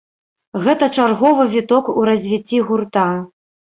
Гэта чарговы віток у развіцці гурта.